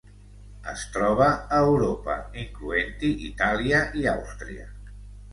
Es troba a Europa, incloent-hi Itàlia i Àustria.